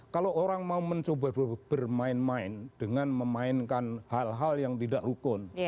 kalau orang mau mencoba bermain main dengan memainkan hal hal yang tidak rukun